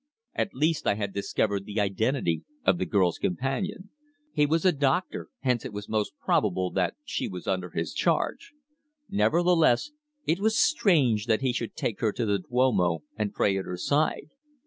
At least I had discovered the identity of the girl's companion. He was a doctor, hence it was most probable that she was under his charge. Nevertheless, it was strange that he should take her to the Duomo and pray at her side.